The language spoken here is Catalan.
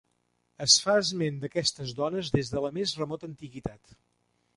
Es fa esment d'aquestes dones des de la més remota antiguitat.